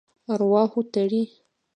ارواحو تړي.